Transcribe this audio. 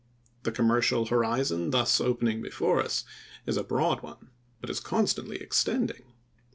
The commercial horizon thus opening before us is a broad one but is constantly extending.